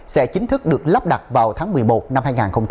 sẽ chính thức được lắp đặt vào tháng một mươi một năm hai nghìn hai mươi